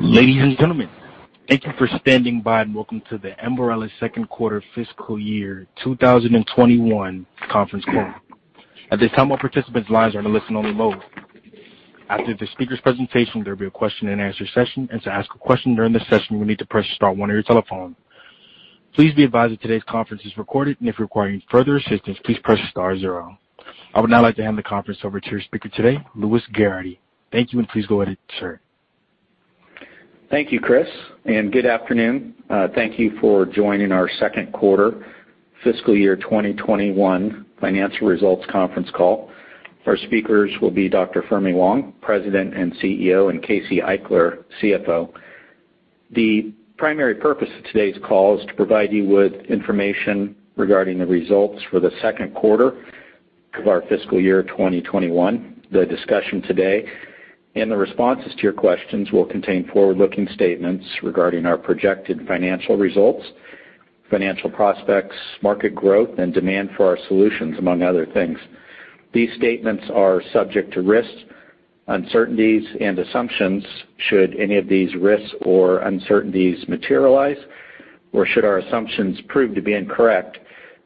Ladies and gentlemen, thank you for standing by and welcome to the Ambarella Second Quarter Fiscal Year 2021 Conference Call. At this time, all participants' lines are in a listen-only mode. After the speaker's presentation, there will be a question-and-answer session, and to ask a question during this session, you will need to press star one on your telephone. Please be advised that today's conference is recorded, and if you're requiring further assistance, please press star zero. I would now like to hand the conference over to your speaker today, Louis Gerhardy. Thank you, and please go ahead and start. Thank you, Chris, and good afternoon. Thank you for joining our Second Quarter Fiscal Year 2021 Financial Results Conference Call. Our speakers will be Dr. Fermi Wang, President and CEO, and Casey Eichler, CFO. The primary purpose of today's call is to provide you with information regarding the results for the second quarter of our fiscal year 2021. The discussion today and the responses to your questions will contain forward-looking statements regarding our projected financial results, financial prospects, market growth, and demand for our solutions, among other things. These statements are subject to risks, uncertainties, and assumptions. Should any of these risks or uncertainties materialize, or should our assumptions prove to be incorrect,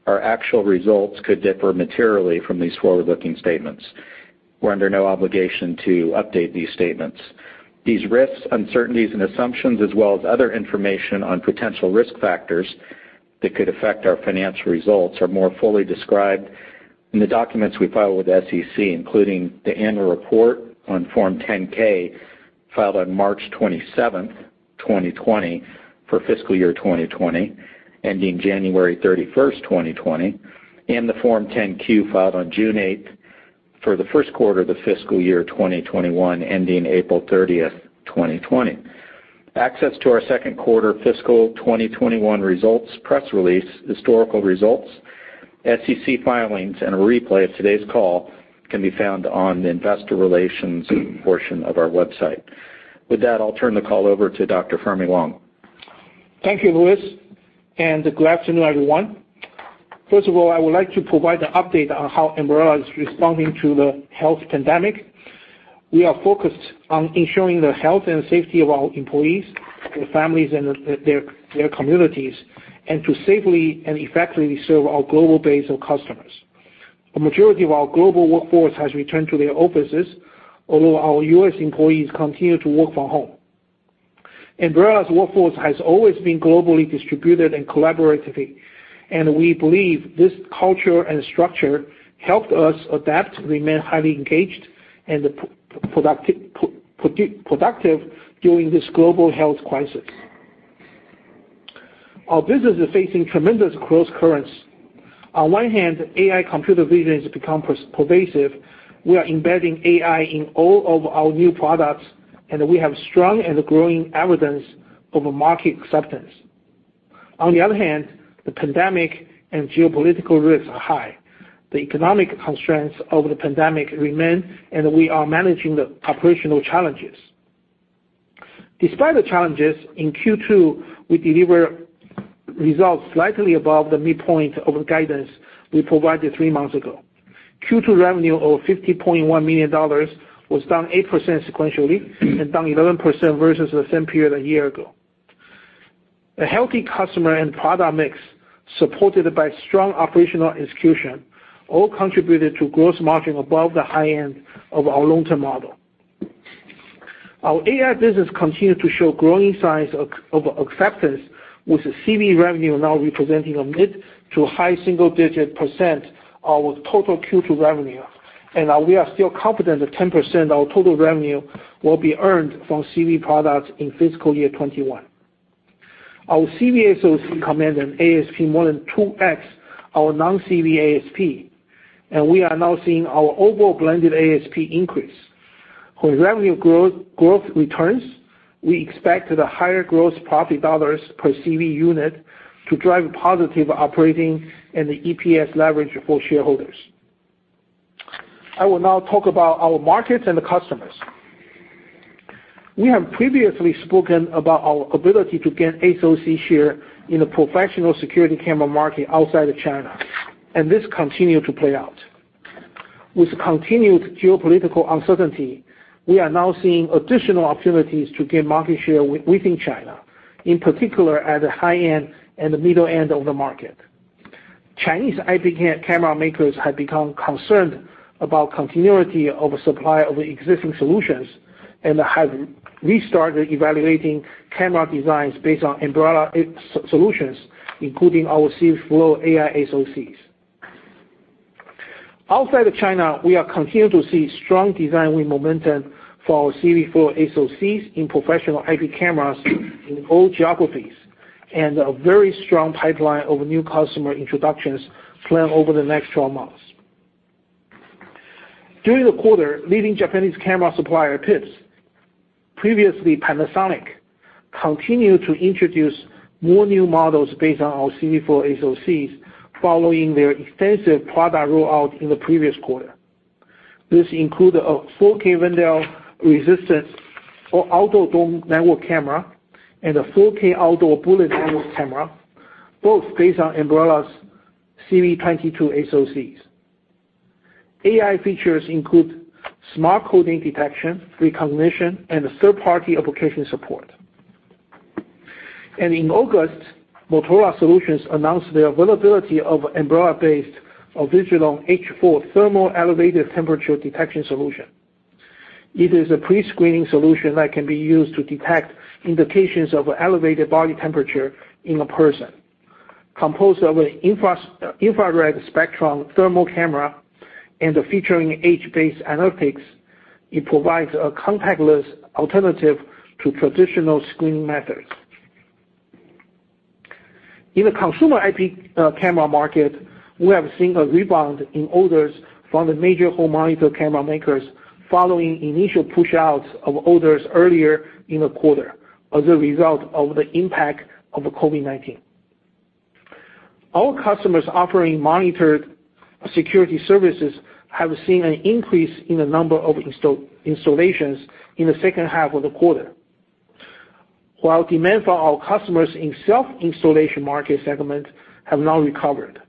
our actual results could differ materially from these forward-looking statements. We're under no obligation to update these statements. These risks, uncertainties, and assumptions, as well as other information on potential risk factors that could affect our financial results, are more fully described in the documents we file with SEC, including the annual report on Form 10-K filed on March 27th, 2020, for fiscal year 2020, ending January 31st, 2020, and the Form 10-Q filed on June 8th for the first quarter of the fiscal year 2021, ending April 30th, 2020. Access to our second quarter fiscal 2021 results, press release, historical results, SEC filings, and a replay of today's call can be found on the investor relations portion of our website. With that, I'll turn the call over to Dr. Fermi Wang. Thank you, Louis, and good afternoon, everyone. First of all, I would like to provide an update on how Ambarella is responding to the health pandemic. We are focused on ensuring the health and safety of our employees, their families, and their communities, and to safely and effectively serve our global base of customers. The majority of our global workforce has returned to their offices, although our U.S. employees continue to work from home. Ambarella's workforce has always been globally distributed and collaborative, and we believe this culture and structure helped us adapt, remain highly engaged, and productive during this global health crisis. Our business is facing tremendous growth currents. On one hand, AI computer vision has become pervasive. We are embedding AI in all of our new products, and we have strong and growing evidence of market acceptance. On the other hand, the pandemic and geopolitical risks are high. The economic constraints of the pandemic remain, and we are managing the operational challenges. Despite the challenges, in Q2, we delivered results slightly above the midpoint of the guidance we provided three months ago. Q2 revenue of $50.1 million was down 8% sequentially and down 11% versus the same period a year ago. A healthy customer and product mix, supported by strong operational execution, all contributed to gross margin above the high end of our long-term model. Our AI business continues to show growing signs of acceptance, with CV revenue now representing a mid- to high single-digit % of total Q2 revenue, and we are still confident that 10% of total revenue will be earned from CV products in fiscal year 2021. Our CV SoC commands an ASP more than 2X our non-CV ASP, and we are now seeing our overall blended ASP increase. When revenue growth returns, we expect the higher gross profit dollars per CV unit to drive positive operating and the EPS leverage for shareholders. I will now talk about our markets and the customers. We have previously spoken about our ability to gain SoC share in the professional security camera market outside of China, and this continues to play out. With continued geopolitical uncertainty, we are now seeing additional opportunities to gain market share within China, in particular at the high end and the middle end of the market. Chinese IP camera makers have become concerned about the continuity of supply of existing solutions and have restarted evaluating camera designs based on Ambarella's solutions, including our CVflow AI SoCs. Outside of China, we are continuing to see strong design momentum for our CV Flow SoCs in professional IP cameras in all geographies, and a very strong pipeline of new customer introductions planned over the next 12 months. During the quarter, leading Japanese camera supplier, i-PRO, previously Panasonic, continued to introduce more new models based on our CV Flow SoCs following their extensive product rollout in the previous quarter. This included a 4K weather-resistant outdoor dome network camera and a 4K outdoor bullet network camera, both based on Ambarella's CV22 SoCs. AI features include smart coding detection, recognition, and third-party application support. In August, Motorola Solutions announced the availability of Ambarella-based Avigilon H4 Thermal elevated temperature detection solution. It is a pre-screening solution that can be used to detect indications of elevated body temperature in a person. Composed of an infrared spectrum thermal camera and featuring edge-based analytics, it provides a contactless alternative to traditional screening methods. In the consumer IP camera market, we have seen a rebound in orders from the major home monitor camera makers following initial push-outs of orders earlier in the quarter as a result of the impact of COVID-19. Our customers offering monitored security services have seen an increase in the number of installations in the second half of the quarter, while demand for our customers in self-installation market segment has now recovered.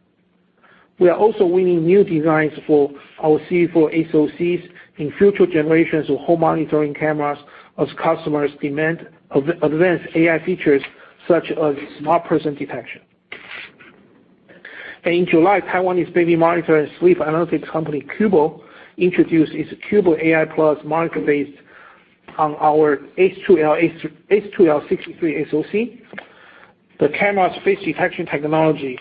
We are also winning new designs for our CV Flow SoCs in future generations of home monitoring cameras as customers demand advanced AI features such as smart person detection. In July, Taiwanese baby monitor and sleep analytics company Cubo Ai introduced its Cubo Ai + monitor based on our H22 SoC. The camera's face detection technology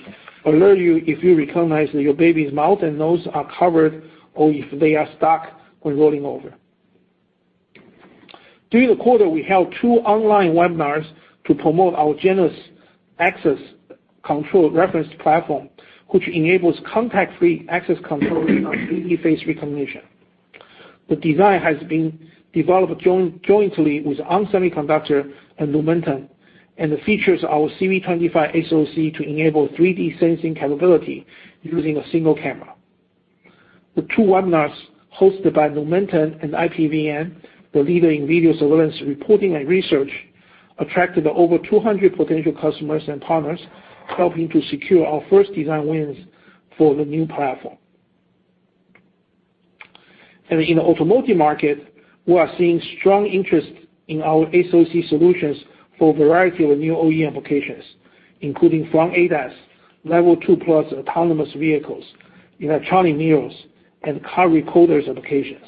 alerts you if you recognize that your baby's mouth and nose are covered or if they are stuck when rolling over. During the quarter, we held two online webinars to promote our Janus Access Control reference platform, which enables contact-free access control of baby face recognition. The design has been developed jointly with ON Semiconductor and Lumentum, and it features our CV25 SoC to enable 3D sensing capability using a single camera. The two webinars hosted by Lumentum and IPVM, the leader in video surveillance reporting and research, attracted over 200 potential customers and partners, helping to secure our first design wins for the new platform. In the automotive market, we are seeing strong interest in our SoC solutions for a variety of new OEM applications, including front ADAS, Level 2+ autonomous vehicles, electronic mirrors, and car recorders applications.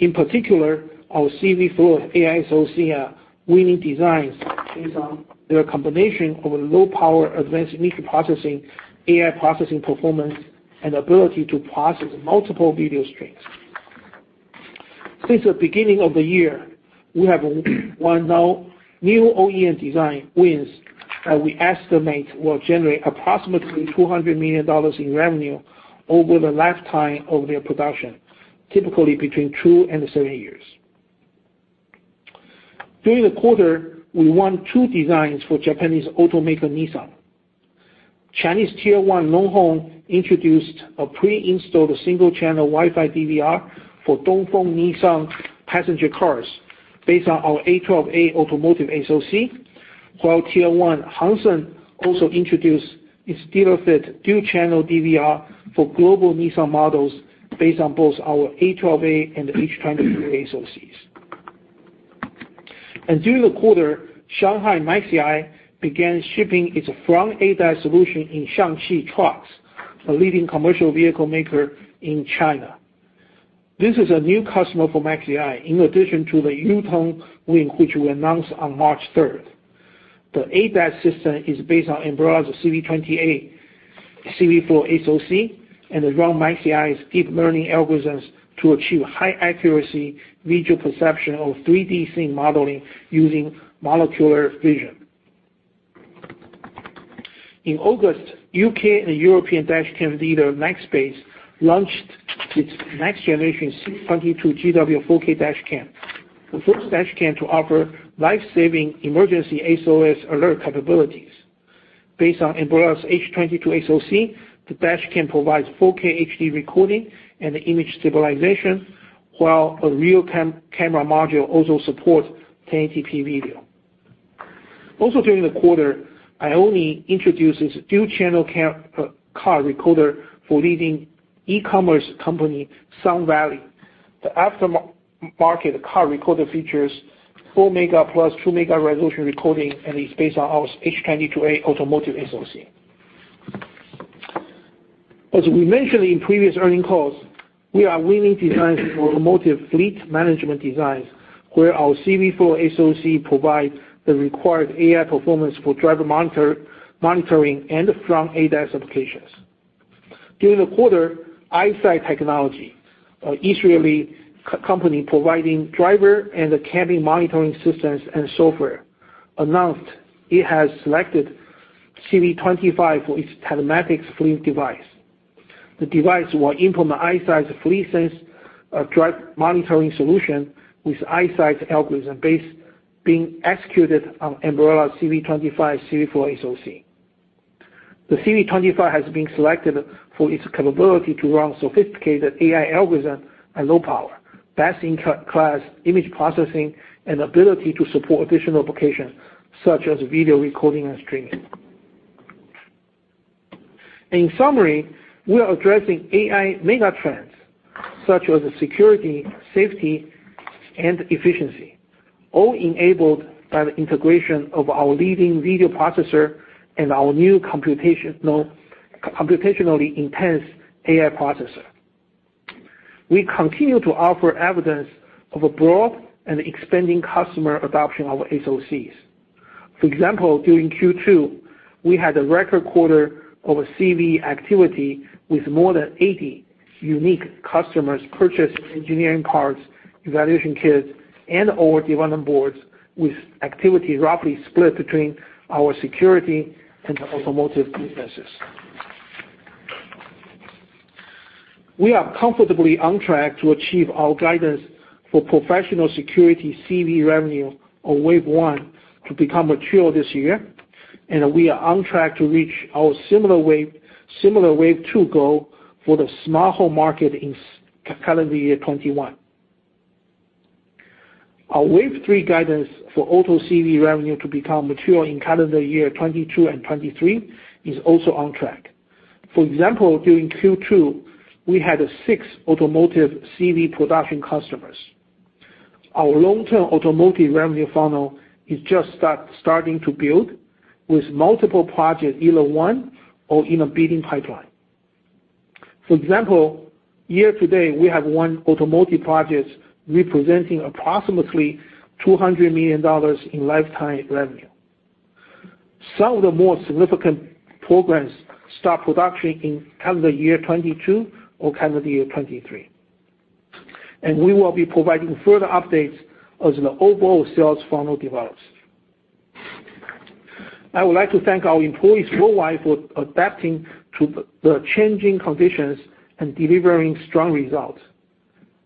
In particular, our CV Flow AI SoC are winning designs based on their combination of low-power advanced microprocessing, AI processing performance, and ability to process multiple video streams. Since the beginning of the year, we have won new OEM design wins that we estimate will generate approximately $200 million in revenue over the lifetime of their production, typically between two and seven years. During the quarter, we won two designs for Japanese automaker Nissan. Chinese Tier one Longhorn introduced a pre-installed single-channel Wi-Fi DVR for Dongfeng Nissan passenger cars based on our A12A automotive SoC, while Tier 1 Hangsheng also introduced its dealer-fit dual-channel DVR for global Nissan models based on both our A12A and H22 SoCs. And during the quarter, Shanghai MaxiEye began shipping its front ADAS solution in Shaanxi Trucks, a leading commercial vehicle maker in China. This is a new customer for MaxiEye, in addition to the Yutong Wit, which we announced on March 3rd. The ADAS system is based on Ambarella's CV28, CV Flow SoC, and our own MaxiEye's deep learning algorithms to achieve high accuracy visual perception of 3D scene modeling using monocular vision. In August, UK and European dash cam leader Nextbase launched its next generation 622GW 4K dash cam, the first dash cam to offer lifesaving emergency SOS alert capabilities. Based on Ambarella's H22 SoC, the dash cam provides 4K HD recording and image stabilization, while a real-time camera module also supports 1080p video. Also, during the quarter, Aoni introduced its dual-channel car recorder for leading e-commerce company, Sunvalley. The aftermarket car recorder features 4-megapixel 2-megapixel resolution recording, and it's based on our H22A automotive SoC. As we mentioned in previous earnings calls, we are winning designs in the automotive fleet management designs, where our CVflow SoC provides the required AI performance for driver monitoring and front ADAS applications. During the quarter, Eyesight Technologies, an Israeli company providing driver and cabin monitoring systems and software, announced it has selected CV25 for its telematics fleet device. The device will implement Eyesight's FleetSense driver monitoring solution, with Eyesight's algorithm base being executed on Ambarella's CV25 CVflow SoC. The CV25 has been selected for its capability to run sophisticated AI algorithms at low power, best-in-class image processing, and ability to support additional applications such as video recording and streaming. In summary, we are addressing AI mega trends such as security, safety, and efficiency, all enabled by the integration of our leading video processor and our new computationally intense AI processor. We continue to offer evidence of a broad and expanding customer adoption of SoCs. For example, during Q2, we had a record quarter of CV activity with more than 80 unique customers purchasing engineering parts, evaluation kits, and/or development boards, with activity roughly split between our security and automotive businesses. We are comfortably on track to achieve our guidance for professional security CV revenue on wave one to become mature this year, and we are on track to reach our similar wave two goal for the smart home market in calendar year 2021. Our wave three guidance for auto CV revenue to become mature in calendar year 2022 and 2023 is also on track. For example, during Q2, we had six automotive CV production customers. Our long-term automotive revenue funnel is just starting to build, with multiple projects either won or in a bidding pipeline. For example, year to date, we have won automotive projects representing approximately $200 million in lifetime revenue. Some of the more significant programs start production in calendar year 2022 or calendar year 2023. And we will be providing further updates as the overall sales funnel develops. I would like to thank our employees worldwide for adapting to the changing conditions and delivering strong results.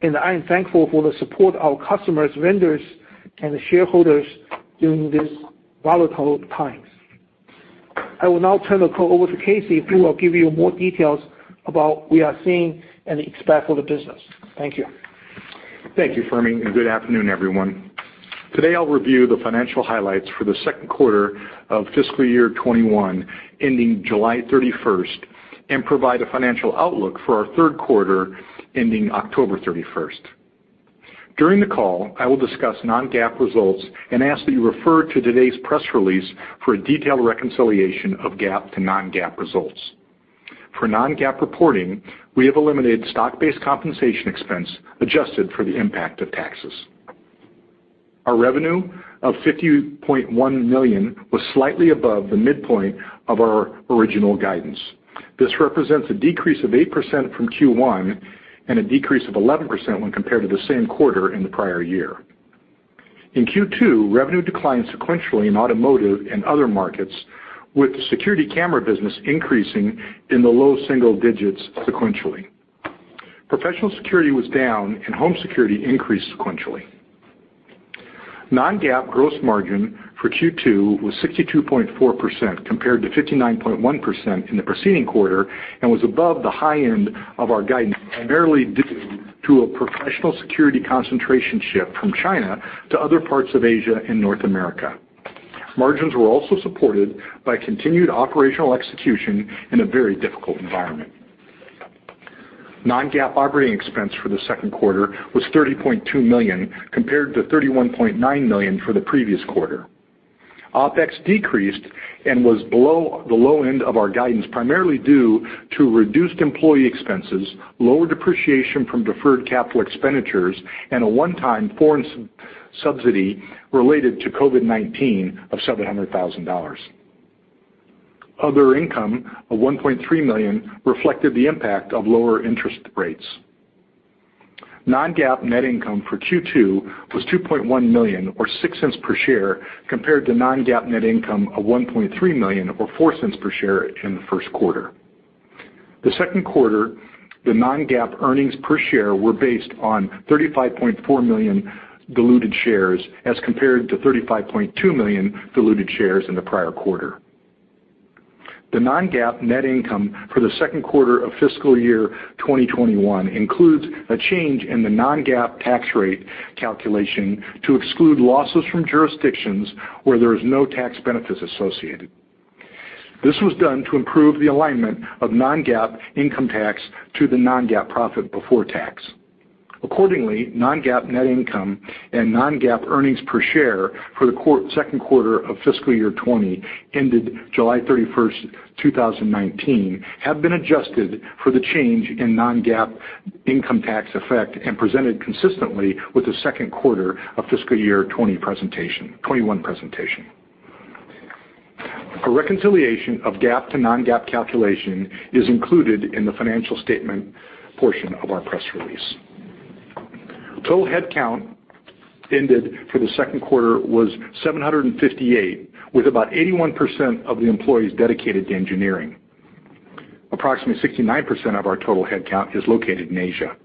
And I am thankful for the support of our customers, vendors, and shareholders during these volatile times. I will now turn the call over to Casey, who will give you more details about what we are seeing and expect for the business. Thank you. Thank you, Fermi. Good afternoon, everyone. Today, I'll review the financial highlights for the second quarter of fiscal year 2021 ending July 31st and provide a financial outlook for our third quarter ending October 31st. During the call, I will discuss non-GAAP results and ask that you refer to today's press release for a detailed reconciliation of GAAP to non-GAAP results. For non-GAAP reporting, we have eliminated stock-based compensation expense adjusted for the impact of taxes. Our revenue of $50.1 million was slightly above the midpoint of our original guidance. This represents a decrease of 8% from Q1 and a decrease of 11% when compared to the same quarter in the prior year. In Q2, revenue declined sequentially in automotive and other markets, with the security camera business increasing in the low single digits sequentially. Professional security was down, and home security increased sequentially. Non-GAAP gross margin for Q2 was 62.4% compared to 59.1% in the preceding quarter and was above the high end of our guidance, primarily due to a professional security concentration shift from China to other parts of Asia and North America. Margins were also supported by continued operational execution in a very difficult environment. Non-GAAP operating expense for the second quarter was 30.2 million compared to 31.9 million for the previous quarter. OpEx decreased and was below the low end of our guidance, primarily due to reduced employee expenses, lower depreciation from deferred capital expenditures, and a one-time foreign subsidy related to COVID-19 of $700,000. Other income of 1.3 million reflected the impact of lower interest rates. Non-GAAP net income for Q2 was 2.1 million, or $0.06 per share, compared to non-GAAP net income of 1.3 million, or $0.04 per share in the first quarter. The second quarter, the non-GAAP earnings per share were based on 35.4 million diluted shares as compared to 35.2 million diluted shares in the prior quarter. The non-GAAP net income for the second quarter of fiscal year 2021 includes a change in the non-GAAP tax rate calculation to exclude losses from jurisdictions where there are no tax benefits associated. This was done to improve the alignment of non-GAAP income tax to the non-GAAP profit before tax. Accordingly, non-GAAP net income and non-GAAP earnings per share for the second quarter of fiscal year 2020 ended July 31st, 2019, have been adjusted for the change in non-GAAP income tax effect and presented consistently with the second quarter of fiscal year 2021 presentation. A reconciliation of GAAP to non-GAAP calculation is included in the financial statement portion of our press release. Total headcount ended for the second quarter was 758, with about 81% of the employees dedicated to engineering. Approximately 69% of our total headcount is located in Asia.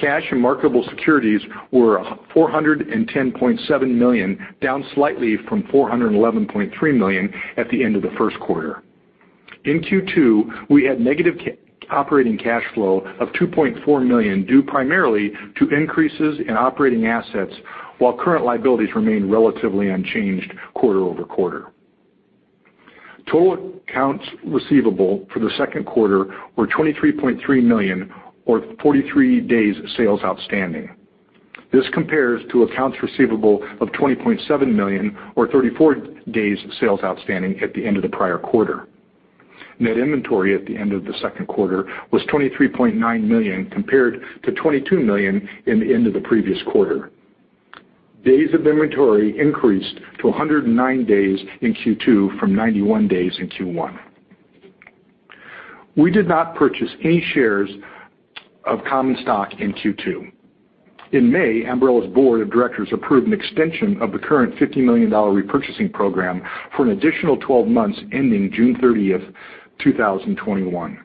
Cash and marketable securities were $410.7 million, down slightly from $411.3 million at the end of the first quarter. In Q2, we had negative operating cash flow of $2.4 million due primarily to increases in operating assets, while current liabilities remained relatively unchanged quarter over quarter. Total accounts receivable for the second quarter were $23.3 million, or 43 days sales outstanding. This compares to accounts receivable of $20.7 million, or 34 days sales outstanding at the end of the prior quarter. Net inventory at the end of the second quarter was $23.9 million compared to $22 million in the end of the previous quarter. Days of inventory increased to 109 days in Q2 from 91 days in Q1. We did not purchase any shares of common stock in Q2. In May, Ambarella's board of directors approved an extension of the current $50 million repurchasing program for an additional 12 months ending June 30th, 2021.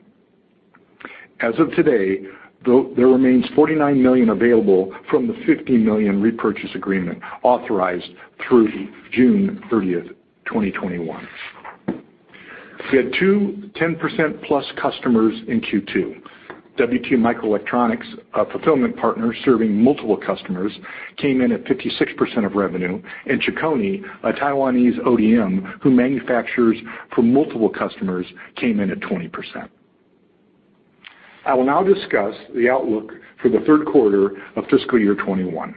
As of today, there remains $49 million available from the $50 million repurchase agreement authorized through June 30th, 2021. We had two 10% + customers in Q2. WT Microelectronics, a fulfillment partner serving multiple customers, came in at 56% of revenue, and Chicony, a Taiwanese ODM who manufactures for multiple customers, came in at 20%. I will now discuss the outlook for the third quarter of fiscal year 2021.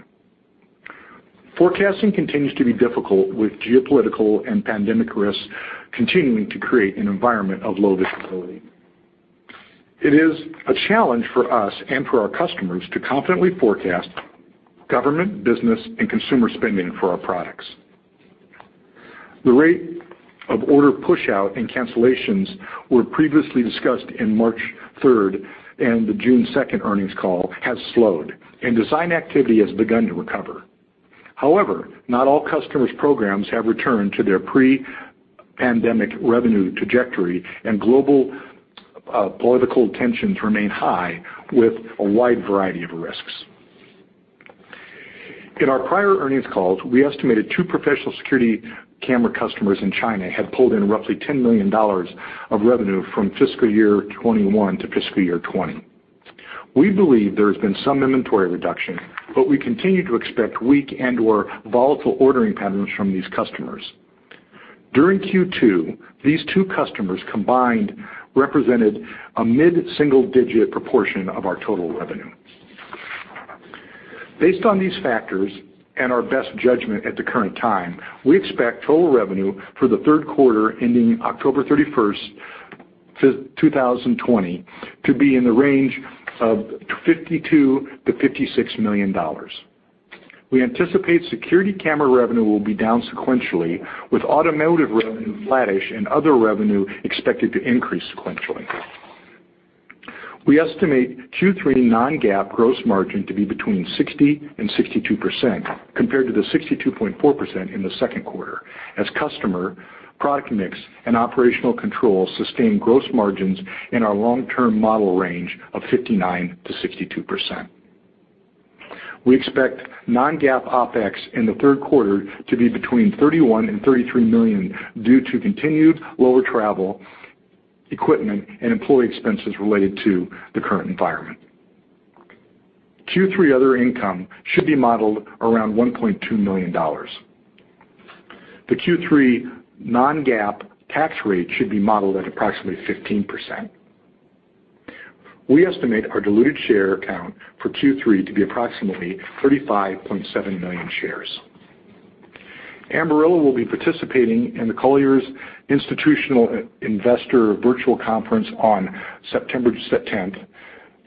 Forecasting continues to be difficult, with geopolitical and pandemic risks continuing to create an environment of low visibility. It is a challenge for us and for our customers to confidently forecast government, business, and consumer spending for our products. The rate of order push-out and cancellations were previously discussed in March 3rd and the June 2nd earnings call, has slowed, and design activity has begun to recover. However, not all customers' programs have returned to their pre-pandemic revenue trajectory, and global political tensions remain high with a wide variety of risks. In our prior earnings calls, we estimated two professional security camera customers in China had pulled in roughly $10 million of revenue from fiscal year 2021 to fiscal year 2020. We believe there has been some inventory reduction, but we continue to expect weak and/or volatile ordering patterns from these customers. During Q2, these two customers combined represented a mid-single-digit proportion of our total revenue. Based on these factors and our best judgment at the current time, we expect total revenue for the third quarter ending October 31st, 2020, to be in the range of $52million-$56 million. We anticipate security camera revenue will be down sequentially, with automotive revenue flattish and other revenue expected to increase sequentially. We estimate Q3 non-GAAP gross margin to be between 60%-62% compared to the 62.4% in the second quarter, as customer, product mix, and operational control sustained gross margins in our long-term model range of 59%-62%. We expect non-GAAP OpEx in the third quarter to be between $31-$33 million due to continued lower travel, equipment, and employee expenses related to the current environment. Q3 other income should be modeled around $1.2 million. The Q3 non-GAAP tax rate should be modeled at approximately 15%. We estimate our diluted share count for Q3 to be approximately 35.7 million shares. Ambarella will be participating in the Colliers Institutional Investor Virtual Conference on September 10th,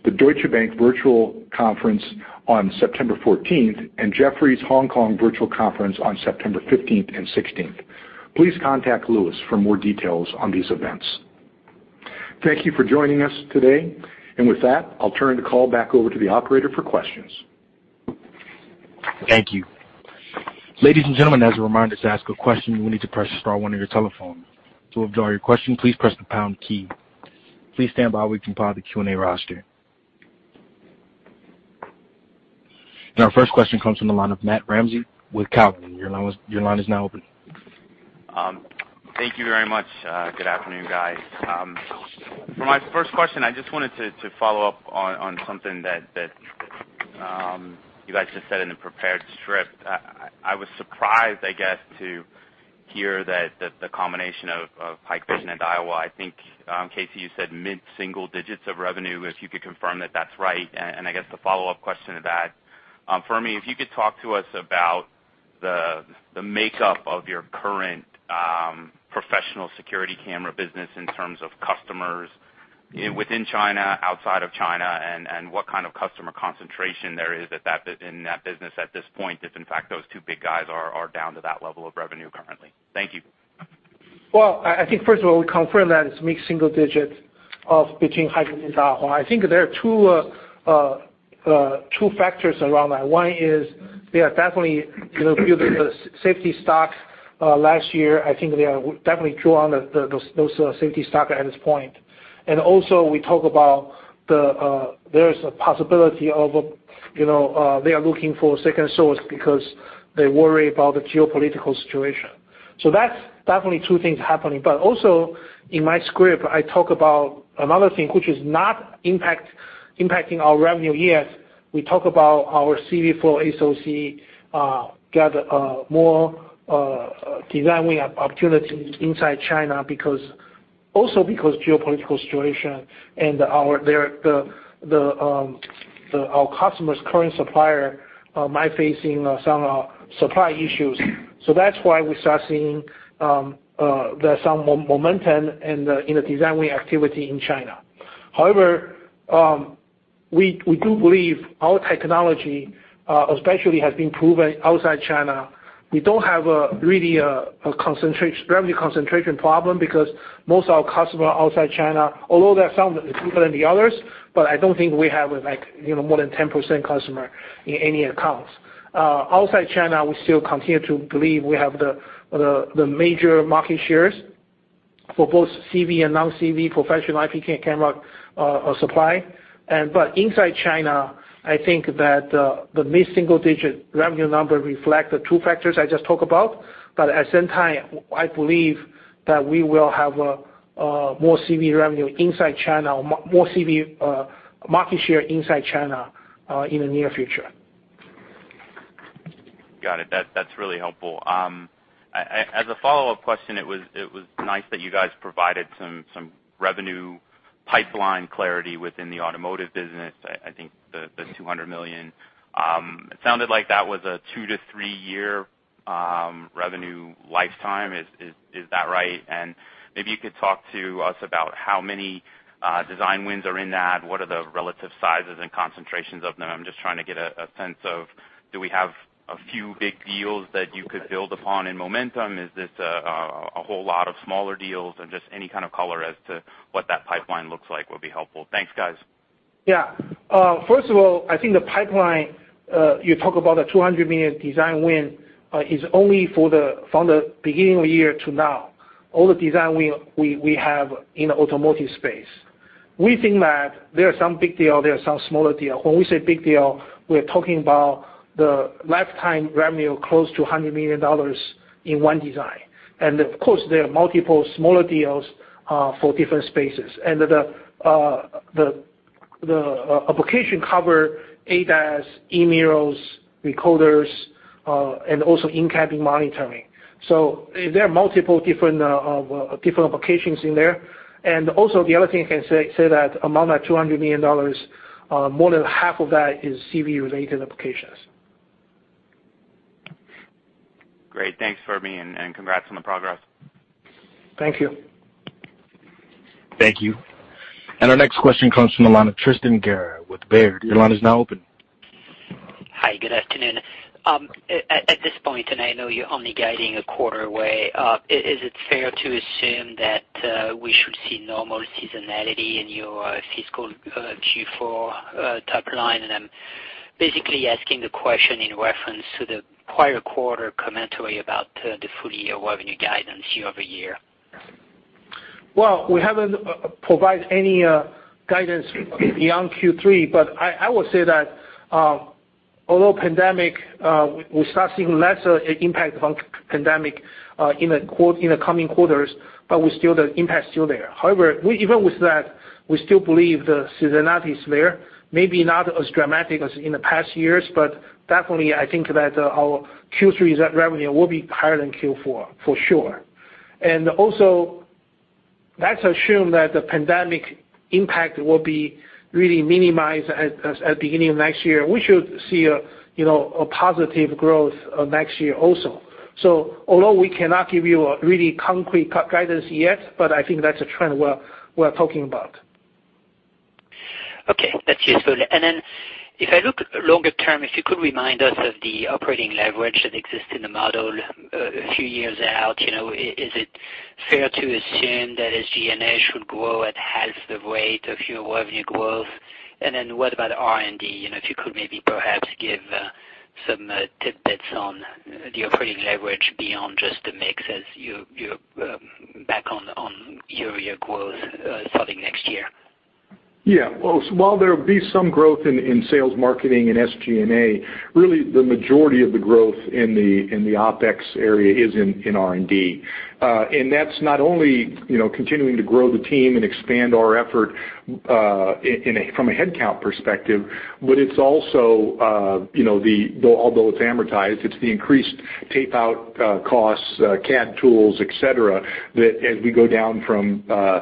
the Deutsche Bank Virtual Conference on September 14th, and Jefferies Hong Kong Virtual Conference on September 15th and 16th. Please contact Louis for more details on these events. Thank you for joining us today. And with that, I'll turn the call back over to the operator for questions. Thank you. Ladies and gentlemen, as a reminder to ask a question, you will need to press star 1 on your telephone. To withdraw your question, please press the pound key. Please stand by while we compile the Q&A roster. Our first question comes from the line of Matt Ramsay with Cowen Your line is now open. Thank you very much. Good afternoon, guys. For my first question, I just wanted to follow up on something that you guys just said in the prepared script. I was surprised, I guess, to hear that the combination of Hikvision and Dahua. I think, Casey, you said mid-single digits of revenue. If you could confirm that that's right. And I guess the follow-up question to that, Fermi, if you could talk to us about the makeup of your current professional security camera business in terms of customers within China, outside of China, and what kind of customer concentration there is in that business at this point if, in fact, those two big guys are down to that level of revenue currently. Thank you. I think, first of all, we confirm that it's mid-single digits between Hikvision and Dahua. I think there are two factors around that. One is they are definitely building the safety stock last year. I think they are definitely drawing those safety stock at this point. Also, we talk about there is a possibility of they are looking for second source because they worry about the geopolitical situation. That's definitely two things happening. Also, in my script, I talk about another thing, which is not impacting our revenue yet. We talk about our CV4 SoC got more design-winning opportunities inside China also because of the geopolitical situation and our customers' current supplier might be facing some supply issues. That's why we start seeing some momentum in the design-winning activity in China. However, we do believe our technology, especially, has been proven outside China. We don't have really a revenue concentration problem because most of our customers outside China, although there are some people in the others, but I don't think we have more than 10% customers in any accounts. Outside China, we still continue to believe we have the major market shares for both CV and non-CV professional IP camera supply. Inside China, I think that the mid-single-digit revenue number reflects the two factors I just talked about. At the same time, I believe that we will have more CV revenue inside China, more CV market share inside China in the near future. Got it. That's really helpful. As a follow-up question, it was nice that you guys provided some revenue pipeline clarity within the automotive business, I think the $200 million. It sounded like that was a two to three-year revenue lifetime. Is that right? And maybe you could talk to us about how many design wins are in that, what are the relative sizes and concentrations of them. I'm just trying to get a sense of do we have a few big deals that you could build upon in momentum? Is this a whole lot of smaller deals? And just any kind of color as to what that pipeline looks like would be helpful. Thanks, guys. Yeah. First of all, I think the pipeline you talk about, the 200 million design win, is only from the beginning of the year to now. All the design win we have in the automotive space, we think that there are some big deals, there are some smaller deals. When we say big deal, we are talking about the lifetime revenue close to $100 million in one design, and of course, there are multiple smaller deals for different spaces, and the application cover ADAS, E-mirrors, recorders, and also in-cabin monitoring, so there are multiple different applications in there, and also, the other thing I can say that among that $200 million, more than half of that is CV-related applications. Great. Thanks, Fermi. And congrats on the progress. Thank you. Thank you. And our next question comes from the line of Tristan Gerra with Baird. Your line is now open. Hi. Good afternoon. At this point, and I know you're only guiding a quarter away, is it fair to assume that we should see normal seasonality in your fiscal Q4 top line? And I'm basically asking the question in reference to the prior quarter commentary about the full-year revenue guidance year over year. We haven't provided any guidance beyond Q3, but I will say that although pandemic, we start seeing lesser impact from pandemic in the coming quarters, but the impact is still there. However, even with that, we still believe the seasonality is there. Maybe not as dramatic as in the past years, but definitely, I think that our Q3 revenue will be higher than Q4 for sure. And also, let's assume that the pandemic impact will be really minimized at the beginning of next year. We should see a positive growth next year also. So although we cannot give you a really concrete guidance yet, but I think that's a trend we are talking about. Okay. That's useful. And then if I look longer term, if you could remind us of the operating leverage that exists in the model a few years out, is it fair to assume that SG&A should grow at half the rate of your revenue growth? And then what about R&D? If you could maybe perhaps give some tidbits on the operating leverage beyond just the mix as you're back on your growth starting next year. Yeah. Well, while there will be some growth in sales, marketing, and SG&A, really the majority of the growth in the OpEx area is in R&D. And that's not only continuing to grow the team and expand our effort from a headcount perspective, but it's also, although it's amortized, it's the increased tape-out costs, CAD tools, etc., that as we go down from the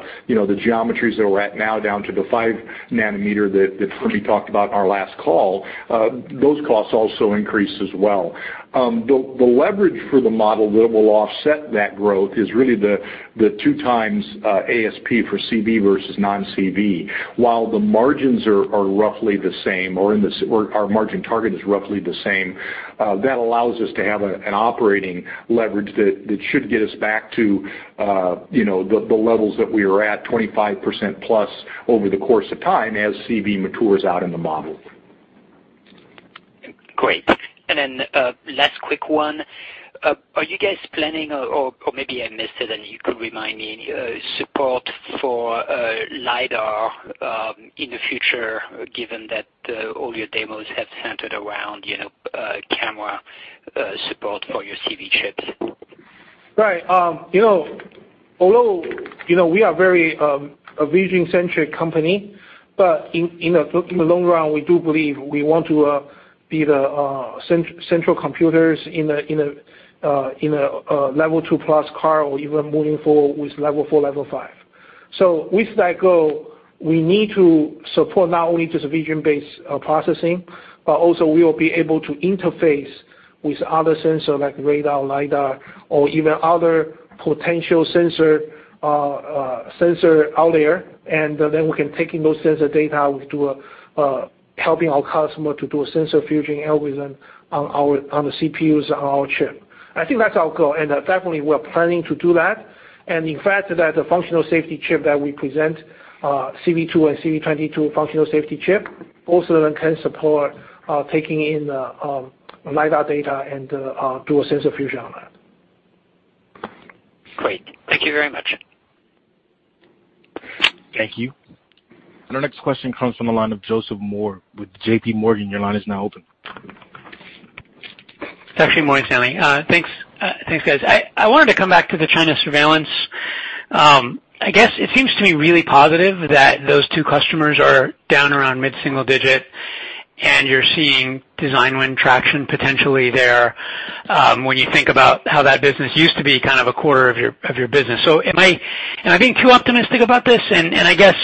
geometries that we're at now down to the 5 nanometer that Fermi talked about in our last call, those costs also increase as well. The leverage for the model that will offset that growth is really the two times ASP for CV versus non-CV. While the margins are roughly the same or our margin target is roughly the same, that allows us to have an operating leverage that should get us back to the levels that we are at, 25% plus over the course of time as CV matures out in the model. Great. And then last quick one. Are you guys planning, or maybe I missed it, and you could remind me, support for LiDAR in the future given that all your demos have centered around camera support for your CV chips? Right. Although we are a very vision-centric company, but in the long run, we do believe we want to be the central computers in a Level 2 + car or even moving forward with Level four, Level five. So with that goal, we need to support not only just vision-based processing, but also we will be able to interface with other sensors like radar, LiDAR, or even other potential sensors out there. And then we can take those sensor data to help our customer to do a sensor fusion algorithm on the CPUs on our chip. I think that's our goal. And definitely, we are planning to do that. And in fact, that functional safety chip that we present, CV2 and CV22 functional safety chip, also can support taking in LiDAR data and do a sensor fusion on that. Great. Thank you very much. Thank you. And our next question comes from the line of Joseph Moore with Morgan Stanley. Your line is now open. Thank you, Morgan Stanley. Thanks, guys. I wanted to come back to the China surveillance. I guess it seems to me really positive that those two customers are down around mid-single digit, and you're seeing design-win traction potentially there when you think about how that business used to be kind of a quarter of your business. So am I being too optimistic about this? And I guess,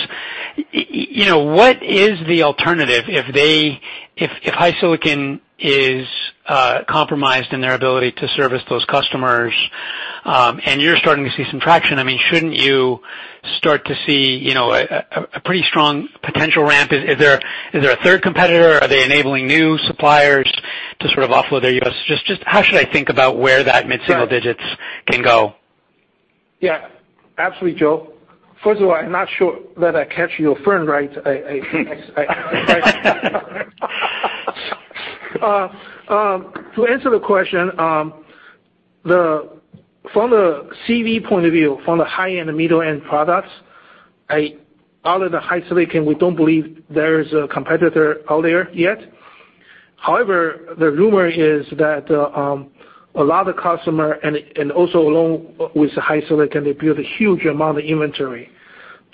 what is the alternative if HiSilicon is compromised in their ability to service those customers and you're starting to see some traction? I mean, shouldn't you start to see a pretty strong potential ramp? Is there a third competitor? Are they enabling new suppliers to sort of offload their U.S.? Just how should I think about where that mid-single digits can go? Yeah. Absolutely, Joe. First of all, I'm not sure that I caught your point right. To answer the question, from the CV point of view, from the high-end and middle-end products, outside of HiSilicon, we don't believe there is a competitor out there yet. However, the rumor is that a lot of customers, and also along with HiSilicon, they built a huge amount of inventory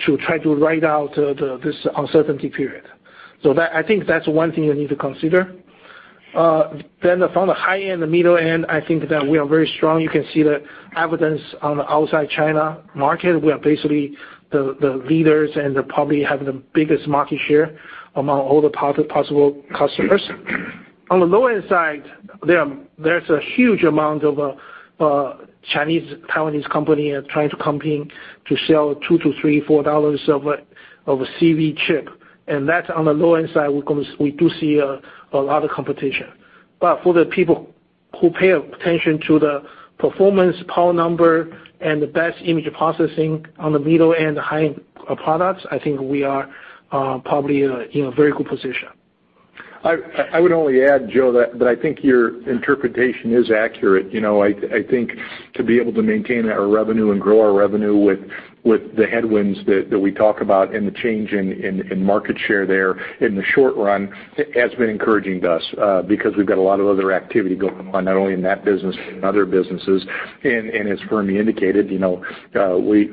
to try to ride out this uncertainty period. So I think that's one thing you need to consider. Then from the high-end and middle-end, I think that we are very strong. You can see the evidence on the outside China market. We are basically the leaders and probably have the biggest market share among all the possible customers. On the low-end side, there's a huge amount of Chinese Taiwanese companies trying to compete to sell $2-$4 of a CV chip. That's on the low-end side. We do see a lot of competition. For the people who pay attention to the performance, power number, and the best image processing on the middle-end, high-end products, I think we are probably in a very good position. I would only add, Joe, that I think your interpretation is accurate. I think to be able to maintain our revenue and grow our revenue with the headwinds that we talk about and the change in market share there in the short run has been encouraging to us because we've got a lot of other activity going on, not only in that business but in other businesses, and as Fermi indicated, we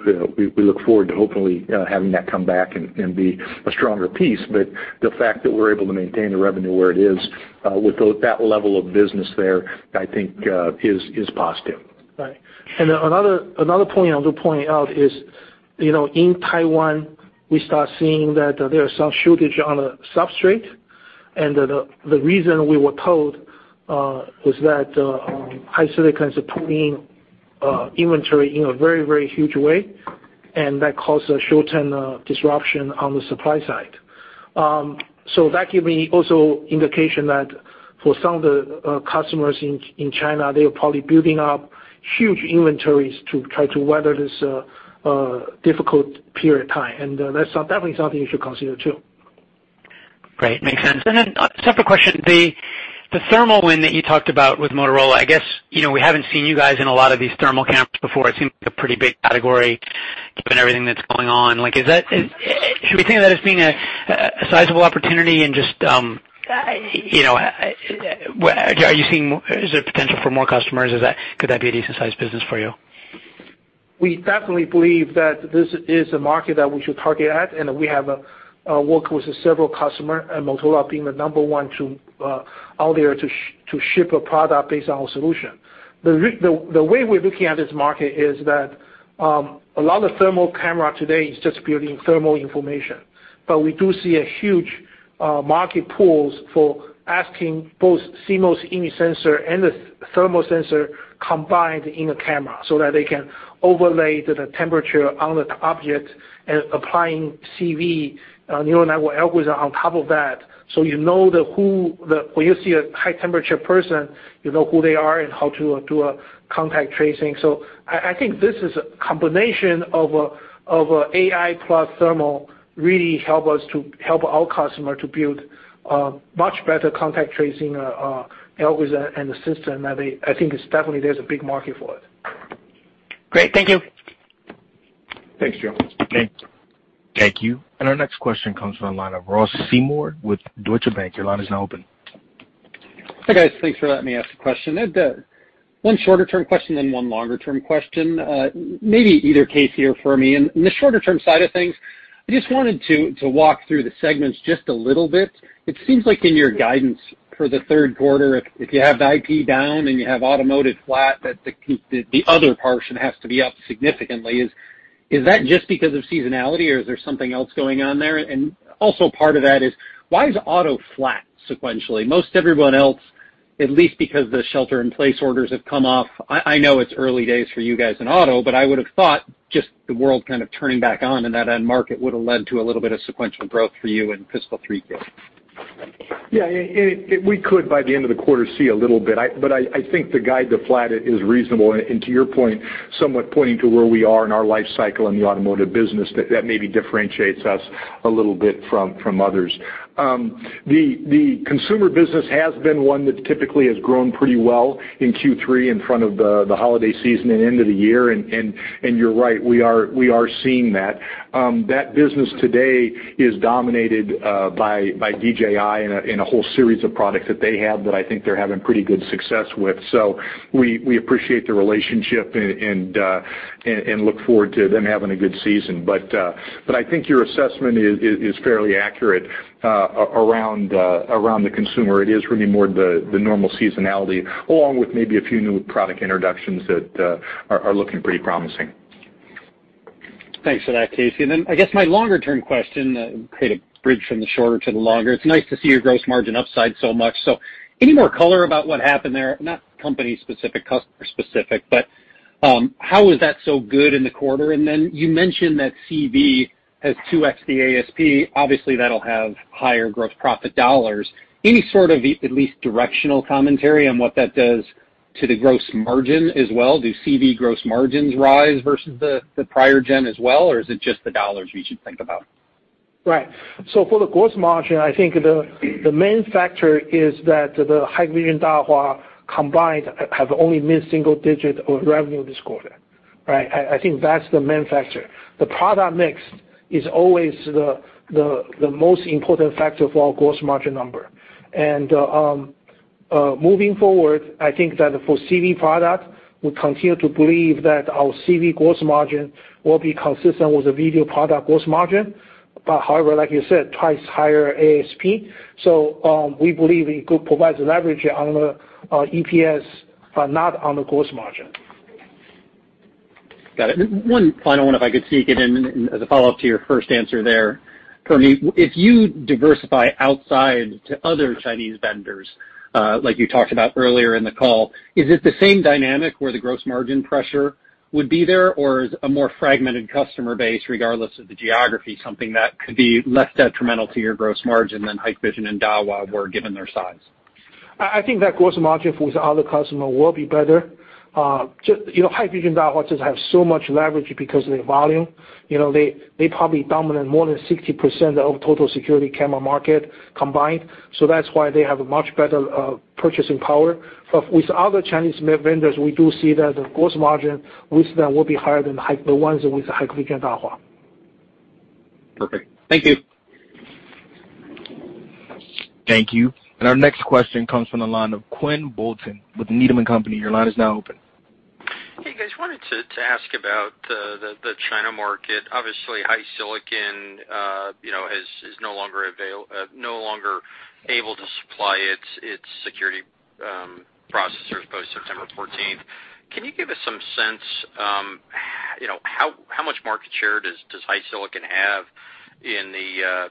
look forward to hopefully having that come back and be a stronger piece, but the fact that we're able to maintain the revenue where it is with that level of business there, I think is positive. Right. And another point I will point out is in Taiwan, we start seeing that there are some shortages on the substrate. And the reason we were told was that HiSilicon is pulling inventory in a very, very huge way, and that caused a short-term disruption on the supply side. So that gives me also indication that for some of the customers in China, they are probably building up huge inventories to try to weather this difficult period of time. And that's definitely something you should consider too. Great. Makes sense. And then, separate question, the thermal win that you talked about with Motorola, I guess we haven't seen you guys in a lot of these thermal cams before. It seems like a pretty big category given everything that's going on. Should we think of that as being a sizable opportunity? And just, are you seeing? Is there potential for more customers? Could that be a decent-sized business for you? We definitely believe that this is a market that we should target at, and we have worked with several customers, and Motorola being the number one out there to ship a product based on our solution. The way we're looking at this market is that a lot of thermal camera today is just building thermal information. But we do see a huge market pool for asking both CMOS image sensor and the thermal sensor combined in a camera so that they can overlay the temperature on the object and applying CV neural network algorithm on top of that. So you know when you see a high-temperature person, you know who they are and how to do a contact tracing. I think this is a combination of AI plus thermal really helps us to help our customer to build much better contact tracing algorithm and the system that I think is definitely there's a big market for it. Great. Thank you. Thanks, Joe. Thank you. Thank you. And our next question comes from the line of Ross Seymore with Deutsche Bank. Your line is now open. Hi guys. Thanks for letting me ask the question. One shorter-term question and one longer-term question. Maybe either Casey here for me. In the shorter-term side of things, I just wanted to walk through the segments just a little bit. It seems like in your guidance for the third quarter, if you have the IP down and you have automotive flat, that the other portion has to be up significantly. Is that just because of seasonality, or is there something else going on there? And also part of that is, why is auto flat sequentially? Most everyone else, at least because the shelter-in-place orders have come off. I know it's early days for you guys in auto, but I would have thought just the world kind of turning back on and that end market would have led to a little bit of sequential growth for you in fiscal third quarter. Yeah. We could by the end of the quarter see a little bit, but I think the guide to flat is reasonable, and to your point, somewhat pointing to where we are in our life cycle in the automotive business, that maybe differentiates us a little bit from others. The consumer business has been one that typically has grown pretty well in Q3 in front of the holiday season and end of the year, and you're right, we are seeing that. That business today is dominated by DJI and a whole series of products that they have that I think they're having pretty good success with, so we appreciate the relationship and look forward to them having a good season, but I think your assessment is fairly accurate around the consumer. It is really more the normal seasonality along with maybe a few new product introductions that are looking pretty promising. Thanks for that, Casey, and then I guess my longer-term question to create a bridge from the shorter to the longer. It's nice to see your gross margin upside so much. So any more color about what happened there? Not company-specific, customer-specific, but how was that so good in the quarter, and then you mentioned that CV2x, the ASP. Obviously, that'll have higher gross profit dollars. Any sort of at least directional commentary on what that does to the gross margin as well? Do CV gross margins rise versus the prior gen as well, or is it just the dollars we should think about? Right. So for the gross margin, I think the main factor is that the Hikvision, Dahua combined have only mid-single-digit revenue this quarter. Right? I think that's the main factor. The product mix is always the most important factor for our gross margin number. And moving forward, I think that for CV product, we continue to believe that our CV gross margin will be consistent with the video product gross margin. But however, like you said, twice higher ASP. So we believe it could provide leverage on the EPS, but not on the gross margin. Got it. One final one, if I could sneak it in as a follow-up to your first answer there. Fermi, if you diversify outside to other Chinese vendors like you talked about earlier in the call, is it the same dynamic where the gross margin pressure would be there, or is a more fragmented customer base, regardless of the geography, something that could be less detrimental to your gross margin than Hikvision and Dahua were given their size? I think that gross margin for other customers will be better. Hikvision Dahua just has so much leverage because of their volume. They probably dominate more than 60% of total security camera market combined. So that's why they have a much better purchasing power. But with other Chinese vendors, we do see that the gross margin with them will be higher than the ones with Hikvision Dahua. Perfect. Thank you. Thank you. And our next question comes from the line of Quinn Bolton with Needham & Company. Your line is now open. Hey, guys. Wanted to ask about the China market. Obviously, HiSilicon is no longer able to supply its security processors post-September 14th. Can you give us some sense how much market share does HiSilicon have in the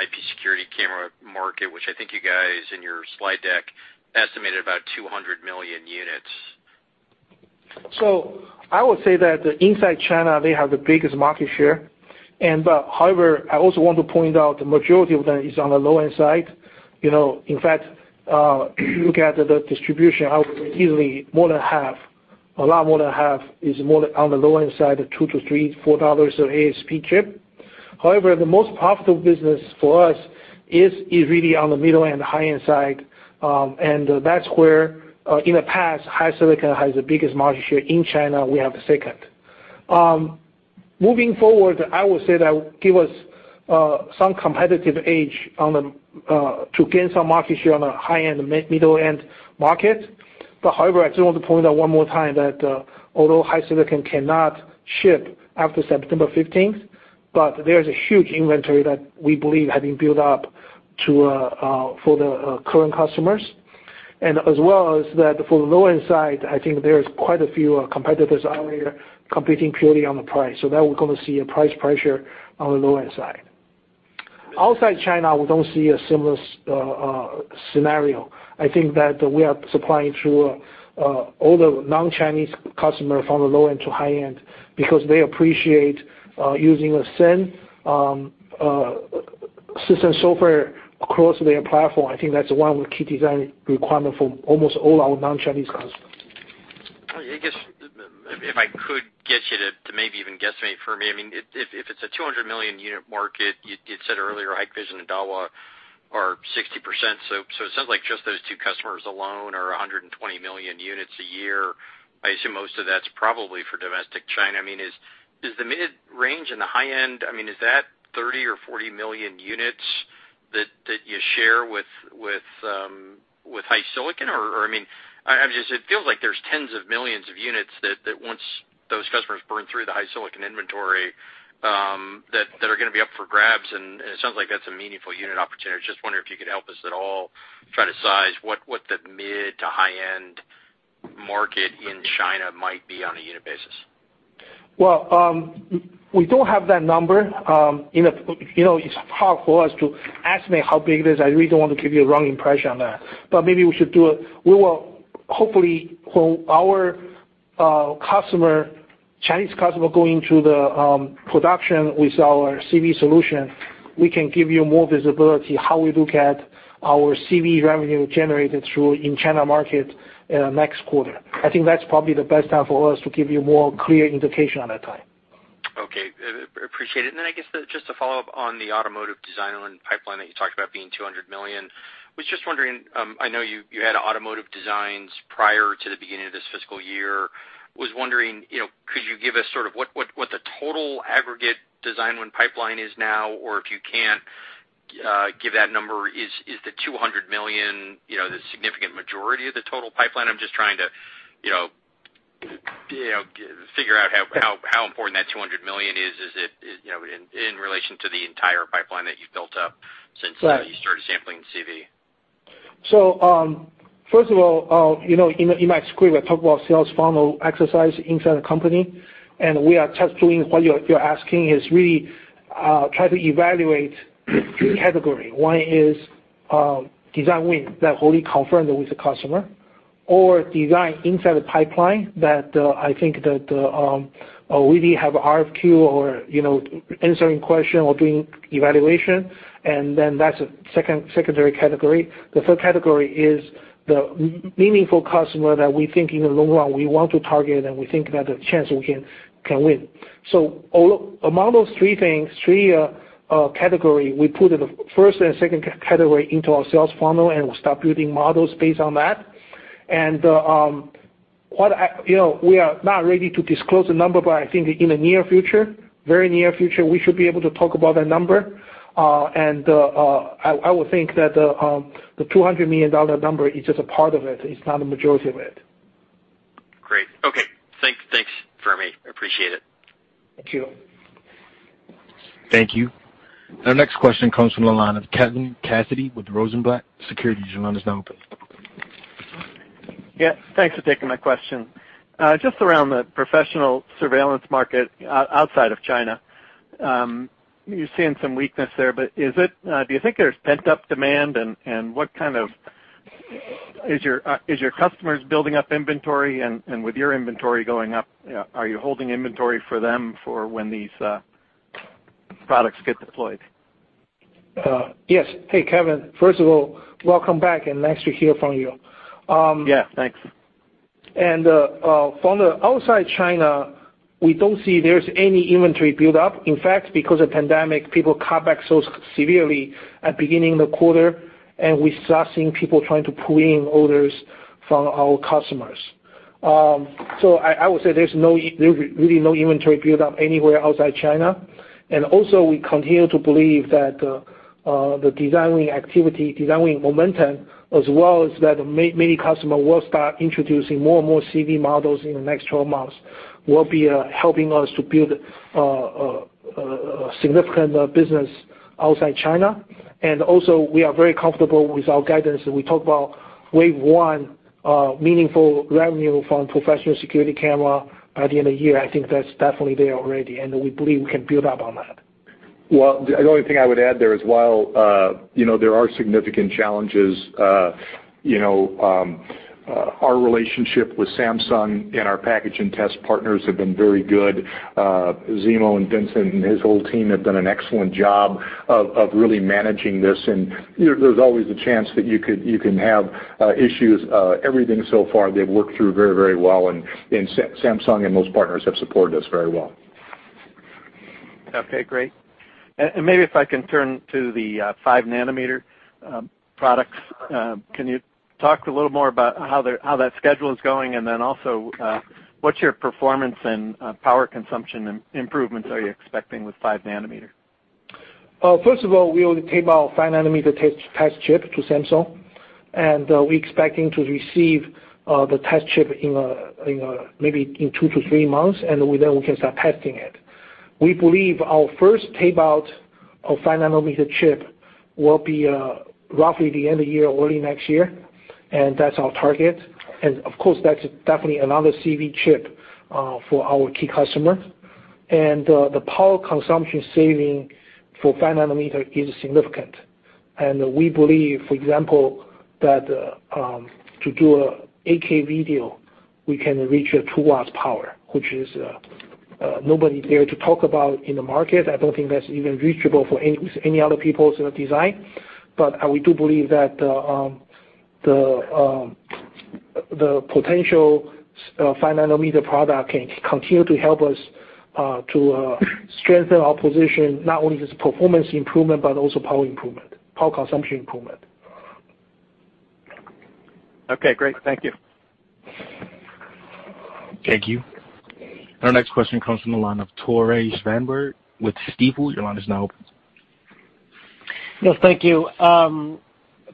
IP security camera market, which I think you guys in your slide deck estimated about 200 million units? I would say that inside China, they have the biggest market share. However, I also want to point out the majority of them is on the low-end side. In fact, if you look at the distribution, more than half, a lot more than half is more on the low-end side, $2-$4 of ASP chip. However, the most profitable business for us is really on the middle and high-end side. That's where in the past, HiSilicon has the biggest market share in China. We have the second. Moving forward, I would say that give us some competitive edge to gain some market share on the high-end, middle-end market. However, I just want to point out one more time that although HiSilicon cannot ship after September 15th, there is a huge inventory that we believe has been built up for the current customers. As well as that, for the low-end side, I think there are quite a few competitors out there competing purely on the price. So that we're going to see a price pressure on the low-end side. Outside China, we don't see a similar scenario. I think that we are supplying to all the non-Chinese customers from the low-end to high-end because they appreciate using the same system software across their platform. I think that's one of the key design requirements for almost all our non-Chinese customers. I guess if I could get you to maybe even guesstimate for me, I mean, if it's a 200 million unit market, you said earlier Hikvision and Dahua are 60%. So it sounds like just those two customers alone are 120 million units a year. I assume most of that's probably for domestic China. I mean, is the mid-range and the high-end, I mean, is that 30 or 40 million units that you share with HiSilicon? Or I mean, it feels like there's tens of millions of units that once those customers burn through the HiSilicon inventory that are going to be up for grabs. And it sounds like that's a meaningful unit opportunity. Just wondering if you could help us at all try to size what the mid-to-high-end market in China might be on a unit basis. We don't have that number. It's hard for us to estimate how big it is. I really don't want to give you a wrong impression on that. But maybe we should do it. Hopefully, when our Chinese customer goes into the production with our CV solution, we can give you more visibility how we look at our CV revenue generated in China market next quarter. I think that's probably the best time for us to give you more clear indication on that time. Okay. Appreciate it. And then I guess just to follow up on the automotive design and pipeline that you talked about being $200 million. I was just wondering, I know you had automotive designs prior to the beginning of this fiscal year. I was wondering, could you give us sort of what the total aggregate design and pipeline is now? Or if you can't give that number, is the $200 million the significant majority of the total pipeline? I'm just trying to figure out how important that $200 million is in relation to the entire pipeline that you've built up since you started sampling CV. First of all, in my script, I talk about sales funnel exercise inside the company. We are just doing what you're asking is really try to evaluate category. One is design win that already confirmed with the customer or design inside the pipeline that I think that already have RFQ or answering question or doing evaluation. That's a secondary category. The third category is the meaningful customer that we think in the long run we want to target and we think that the chance we can win. Among those three categories, we put the first and second category into our sales funnel and we start building models based on that. We are not ready to disclose the number, but I think in the near future, very near future, we should be able to talk about that number. I would think that the $200 million number is just a part of it. It's not the majority of it. Great. Okay. Thanks, Fermi. Appreciate it. Thank you. Thank you. Our next question comes from the line of Kevin Cassidy with Rosenblatt Securities. Your line is now open. Yeah. Thanks for taking my question. Just around the professional surveillance market outside of China, you're seeing some weakness there. But do you think there's pent-up demand? And what kind of is your customers building up inventory? And with your inventory going up, are you holding inventory for them for when these products get deployed? Yes. Hey, Kevin. First of all, welcome back and nice to hear from you. Yeah. Thanks. From outside China, we don't see there's any inventory build-up. In fact, because of pandemic, people cut back so severely at the beginning of the quarter, and we start seeing people trying to pull in orders from our customers. So I would say there's really no inventory build-up anywhere outside China. And also, we continue to believe that the design momentum as well as that many customers will start introducing more and more CV models in the next 12 months will be helping us to build a significant business outside China. And also, we are very comfortable with our guidance. We talk about wave one, meaningful revenue from professional security camera by the end of the year. I think that's definitely there already. And we believe we can build up on that. Well, the only thing I would add there is while there are significant challenges, our relationship with Samsung and our package and test partners have been very good. Zimo and Vincent and his whole team have done an excellent job of really managing this. And there's always a chance that you can have issues. Everything so far, they've worked through very, very well. And Samsung and those partners have supported us very well. Okay. Great. And maybe if I can turn to the 5 nanometer products, can you talk a little more about how that schedule is going? And then also, what's your performance and power consumption improvements are you expecting with five nanometer? First of all, we already tape-out 5-nanometer test chip to Samsung, and we're expecting to receive the test chip maybe in two to three months, and then we can start testing it. We believe our first tape-out of 5-nanometer chip will be roughly the end of the year or early next year, and that's our target, and of course, that's definitely another CV chip for our key customers, and the power consumption saving for 5-nanometer is significant, and we believe, for example, that to do an 8K video, we can reach a two watts power, which is nobody there to talk about in the market. I don't think that's even reachable for any other people's design. But we do believe that the potential 5-nanometer product can continue to help us to strengthen our position, not only just performance improvement, but also power improvement, power consumption improvement. Okay. Great. Thank you. Thank you. Our next question comes from the line of Tore Svanberg with Stifel. Your line is now open. Yes. Thank you.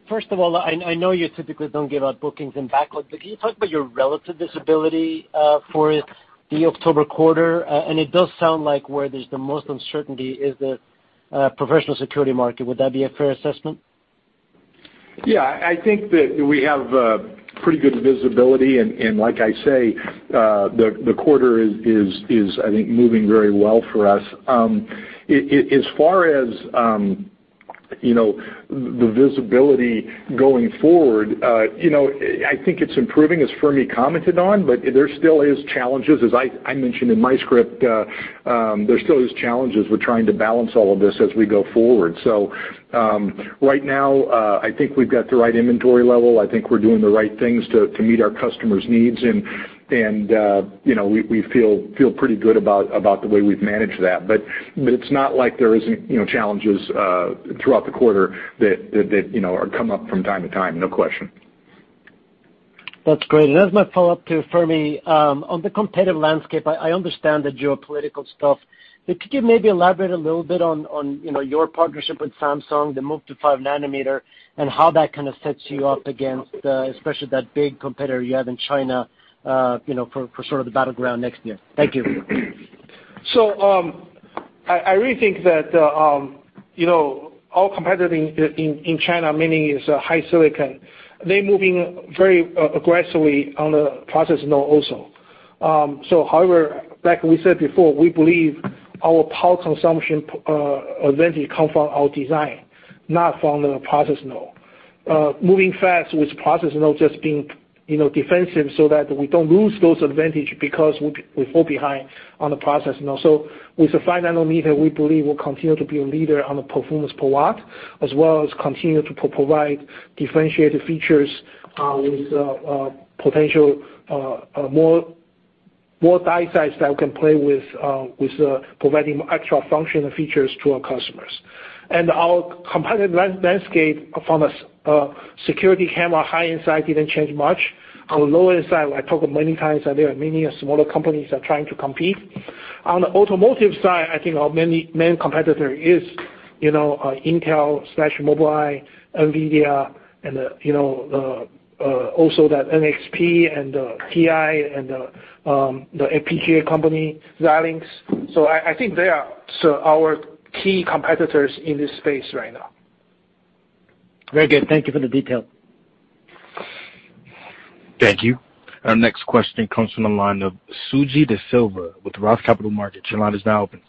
First of all, I know you typically don't give out bookings in backlog, but can you talk about your relative visibility for the October quarter? And it does sound like where there's the most uncertainty is the professional security market. Would that be a fair assessment? Yeah. I think that we have pretty good visibility. And like I say, the quarter is, I think, moving very well for us. As far as the visibility going forward, I think it's improving, as Fermi commented on. But there still is challenges. As I mentioned in my script, there still is challenges. We're trying to balance all of this as we go forward. So right now, I think we've got the right inventory level. I think we're doing the right things to meet our customers' needs. And we feel pretty good about the way we've managed that. But it's not like there are challenges throughout the quarter that come up from time to time, no question. That's great. And as my follow-up to Fermi, on the competitive landscape, I understand that your political stuff. But could you maybe elaborate a little bit on your partnership with Samsung, the move to 5 nanometer, and how that kind of sets you up against especially that big competitor you have in China for sort of the battleground next year? Thank you. So I really think that our competitor in China, meaning it's HiSilicon, they're moving very aggressively on the process node also. So however, like we said before, we believe our power consumption advantage comes from our design, not from the process node. Moving fast with process node just being defensive so that we don't lose those advantages because we fall behind on the process node. So with the 5 nanometer, we believe we'll continue to be a leader on the performance per watt, as well as continue to provide differentiated features with potential more die size that we can play with providing extra functional features to our customers. And our competitive landscape from a security camera high-end side didn't change much. On the low-end side, I talked many times that there are many smaller companies that are trying to compete. On the automotive side, I think our main competitor is Intel/Mobileye, NVIDIA, and also that NXP and TI and the FPGA company, Xilinx. So I think they are our key competitors in this space right now. Very good. Thank you for the detail. Thank you. Our next question comes from the line of Suji Desilva with Roth Capital Partners. Your line is now open.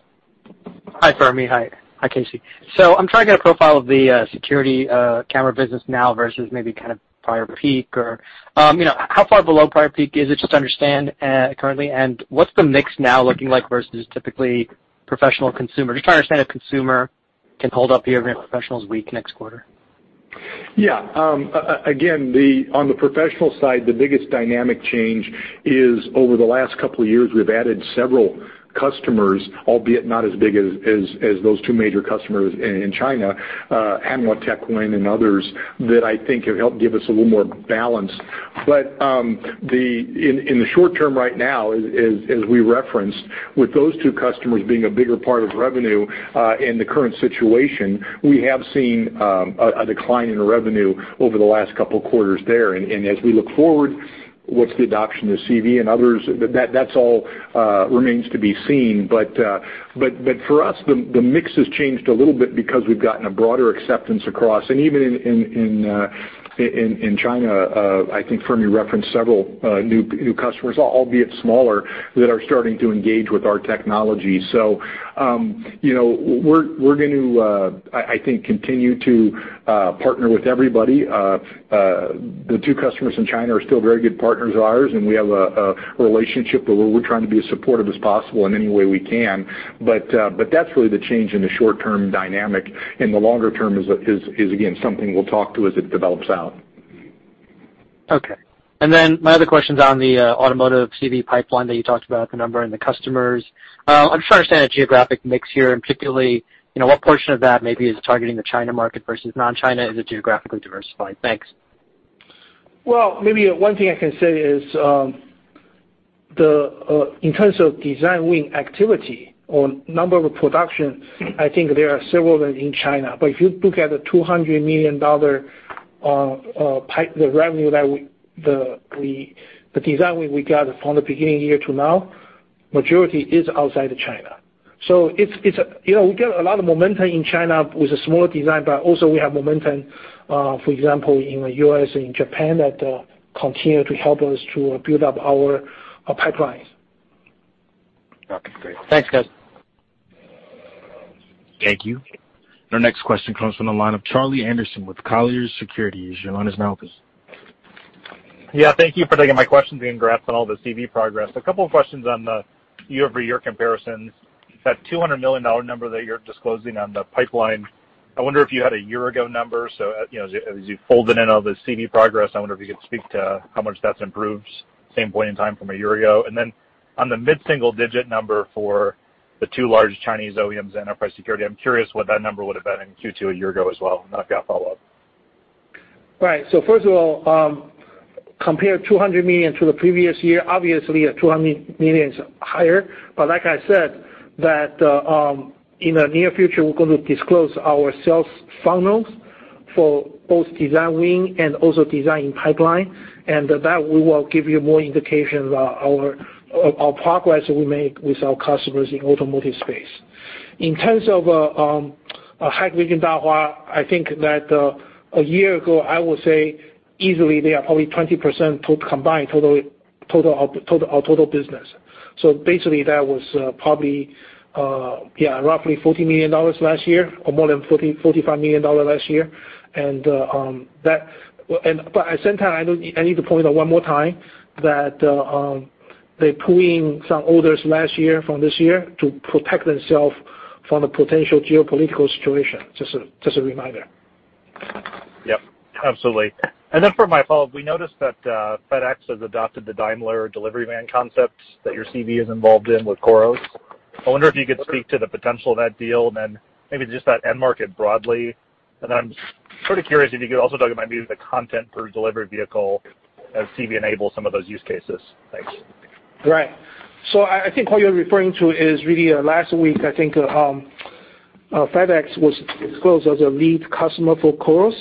Hi, Fermi. Hi, Casey. So I'm trying to get a profile of the security camera business now versus maybe kind of prior peak. How far below prior peak is it, just to understand currently? And what's the mix now looking like versus typical professional, consumer? Just trying to understand if consumer can hold up here against professional's weak next quarter. Yeah. Again, on the professional side, the biggest dynamic change is over the last couple of years, we've added several customers, albeit not as big as those two major customers in China, Hanwha Techwin and others, that I think have helped give us a little more balance. But in the short term right now, as we referenced, with those two customers being a bigger part of revenue in the current situation, we have seen a decline in revenue over the last couple of quarters there. And as we look forward, what's the adoption of CV and others? That all remains to be seen. But for us, the mix has changed a little bit because we've gotten a broader acceptance across. And even in China, I think Fermi referenced several new customers, albeit smaller, that are starting to engage with our technology. So we're going to, I think, continue to partner with everybody. The two customers in China are still very good partners of ours. And we have a relationship where we're trying to be as supportive as possible in any way we can. But that's really the change in the short-term dynamic. And the longer term is, again, something we'll talk to as it develops out. Okay. And then my other question is on the automotive CV pipeline that you talked about, the number and the customers. I'm just trying to understand the geographic mix here. And particularly, what portion of that maybe is targeting the China market versus non-China? Is it geographically diversified? Thanks. Maybe one thing I can say is in terms of design win activity or number of production. I think there are several in China. If you look at the $200 million revenue that design wins we got from the beginning of the year to now, the majority is outside of China. We get a lot of momentum in China with a smaller design. Also, we have momentum, for example, in the U.S. and in Japan that continue to help us to build up our pipelines. Okay. Great. Thanks, guys. Thank you. Our next question comes from the line of Charlie Anderson with Colliers Securities. Your line is now open. Yeah. Thank you for taking my questions and congrats on all the CV progress. A couple of questions on the year-over-year comparisons. That $200 million number that you're disclosing on the pipeline, I wonder if you had a year-ago number. So as you fold in all the CV progress, I wonder if you could speak to how much that's improved from the same point in time from a year ago. And then on the mid-single-digit number for the two large Chinese OEMs and Enterprise Security, I'm curious what that number would have been in Q2 a year ago as well. And I've got a follow-up. Right. So first of all, compare $200 million to the previous year. Obviously, $200 million is higher. But like I said, in the near future, we're going to disclose our sales funnels for both design win and also design pipeline. And that will give you more indication of our progress we make with our customers in the automotive space. In terms of Hikvision Dahua, I think that a year ago, I would say easily they are probably 20% combined total business. So basically, that was probably, yeah, roughly $40 million last year or more than $45 million last year. And at the same time, I need to point out one more time that they put in some orders last year from this year to protect themselves from the potential geopolitical situation. Just a reminder. Yep. Absolutely. And then for my follow-up, we noticed that FedEx has adopted the Daimler delivery van concept that your CV is involved in with COROS. I wonder if you could speak to the potential of that deal and then maybe just that end market broadly. And then I'm sort of curious if you could also talk about maybe the content for delivery vehicle as CV enables some of those use cases. Thanks. Right. So I think what you're referring to is really last week. I think FedEx was disclosed as a lead customer for COROS.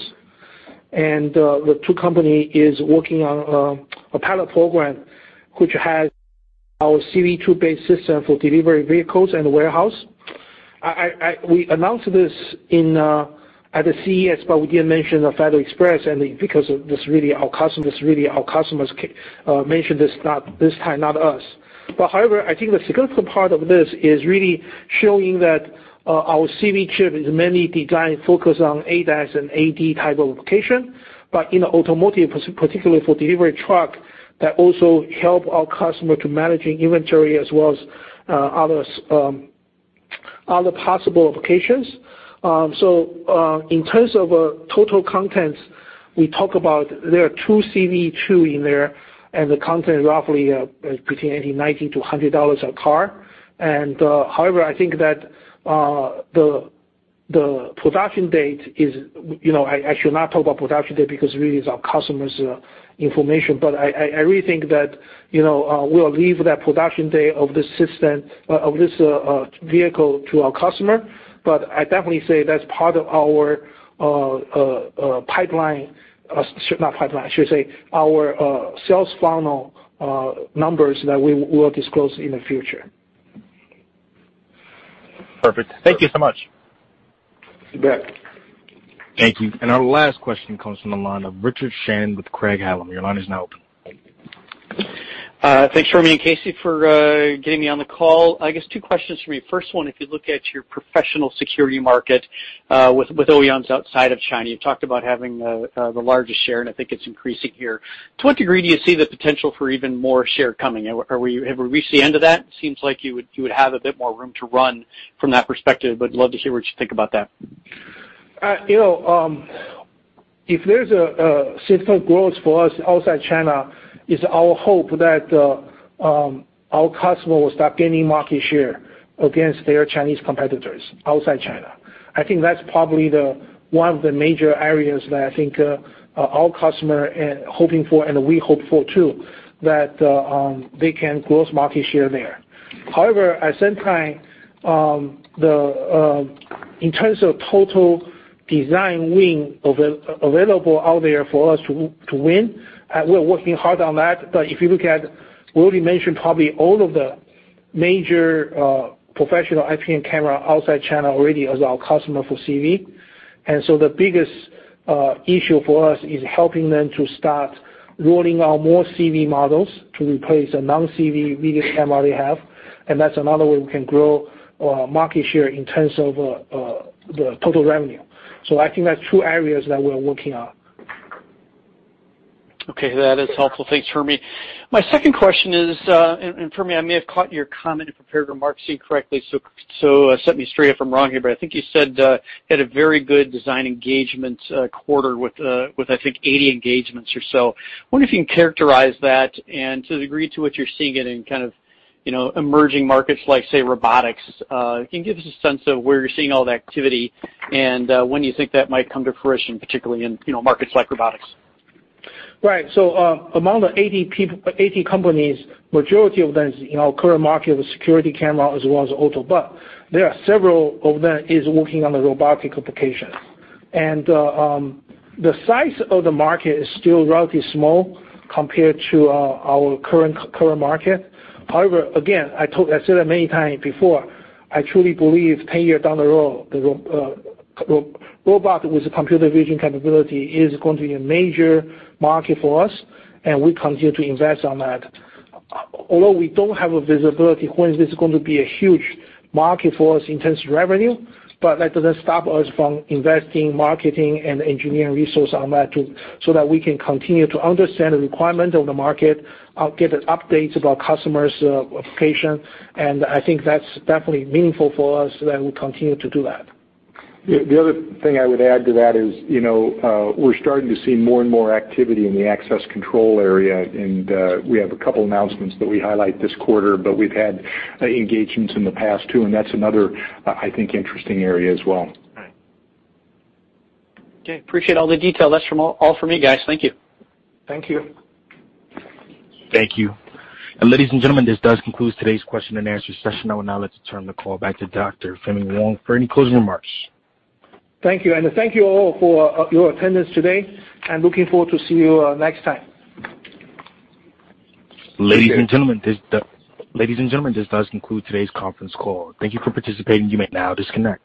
And the two companies are working on a pilot program which has our CV2-based system for delivery vehicles and warehouse. We announced this at the CES, but we didn't mention FedEx because this is really our customers. This is really our customers mentioned this time, not us. But however, I think the significant part of this is really showing that our CV chip is mainly designed focused on ADAS and AD type of application. But in automotive, particularly for delivery truck, that also helps our customers to manage inventory as well as other possible applications. So in terms of total contents, we talk about there are two CV2 in there, and the content is roughly between $80-$100 a car. However, I think that the production date is. I should not talk about production date because it really is our customer's information. But I really think that we'll leave that production date of this vehicle to our customer. But I definitely say that's part of our pipeline not pipeline. I should say our sales funnel numbers that we will disclose in the future. Perfect. Thank you so much. You bet. Thank you. And our last question comes from the line of Richard Shannon with Craig-Hallam. Your line is now open. Thanks, Fermi and Casey, for getting me on the call. I guess two questions for me. First one, if you look at your professional security market with OEMs outside of China, you've talked about having the largest share, and I think it's increasing here. To what degree do you see the potential for even more share coming? Have we reached the end of that? It seems like you would have a bit more room to run from that perspective, but I'd love to hear what you think about that. If there's a significant growth for us outside China, it's our hope that our customers will start gaining market share against their Chinese competitors outside China. I think that's probably one of the major areas that I think our customers are hoping for, and we hope for too, that they can grow market share there. However, at the same time, in terms of total design win available out there for us to win, we're working hard on that. But if you look at, we already mentioned probably all of the major professional IP cameras outside China already as our customers for CV. And so the biggest issue for us is helping them to start rolling out more CV models to replace the non-CV video camera they have. And that's another way we can grow market share in terms of the total revenue. So I think that's two areas that we're working on. Okay. That is helpful. Thanks, Fermi. My second question is, and Fermi, I may have misheard your remarks, so set me straight if I'm wrong here. But I think you said you had a very good design engagement quarter with, I think, 80 engagements or so. I wonder if you can characterize that. And to the degree to which you're seeing it in kind of emerging markets like, say, robotics, can you give us a sense of where you're seeing all that activity and when you think that might come to fruition, particularly in markets like robotics? Right, so among the 80 companies, the majority of them are in our current market of security cameras as well as auto, but there are several of them that are working on the robotic applications, and the size of the market is still relatively small compared to our current market. However, again, I said it many times before, I truly believe 10 years down the road, robot with computer vision capability is going to be a major market for us, and we continue to invest on that. Although we don't have a visibility when this is going to be a huge market for us in terms of revenue, but that doesn't stop us from investing marketing and engineering resources on that so that we can continue to understand the requirements of the market, get updates about customers' applications. I think that's definitely meaningful for us that we continue to do that. The other thing I would add to that is we're starting to see more and more activity in the access control area. And we have a couple of announcements that we highlight this quarter, but we've had engagements in the past too. And that's another, I think, interesting area as well. Okay. Appreciate all the detail. That's all from me, guys. Thank you. Thank you. Thank you. And ladies and gentlemen, this does conclude today's question and answer session. I will now like to turn the call back to Dr. Fermi Wang for any closing remarks. Thank you. And thank you all for your attendance today. And looking forward to seeing you next time. Ladies and gentlemen, this does conclude today's conference call. Thank you for participating. You may now disconnect.